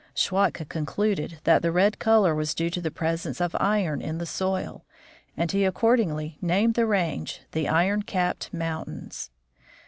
Schwatka concluded that the red color was due to the presence of iron in the soil, and he accordingly named the range the Iron capped mountains.